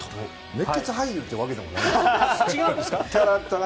熱血俳優ってわけでもないんですけどね。